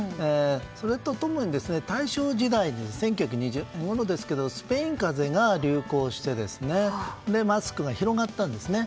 それと共に大正時代１９２０年ごろですがスペイン風邪が流行してマスクが広がったんですね。